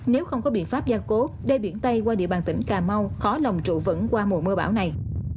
nếu không có biện pháp gia cố đê biển tây qua địa bàn tỉnh cà mau khó lòng trụ vững qua mùa mưa bão này